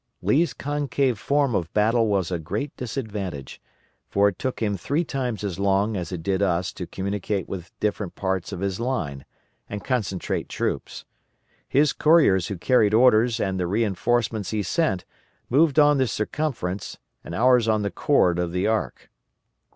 Lee's concave form of battle was a great disadvantage, for it took him three times as long as it did us to communicate with different parts of his line, and concentrate troops. His couriers who carried orders and the reinforcements he sent moved on the circumference and ours on the chord of the arc.